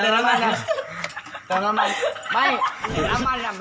สับสนครอบครับ